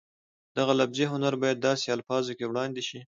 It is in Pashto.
دغه لفظي هنر باید داسې الفاظو کې وړاندې شي